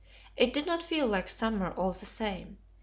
It did not feel like summer, all the same.